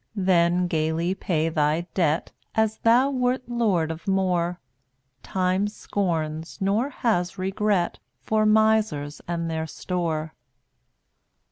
Then gayly pay thy debt As thou wert lord of more; Time scorns, nor has regret. For misers and their store.